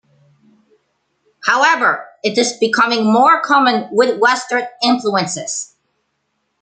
However, it is becoming more common with Western influences.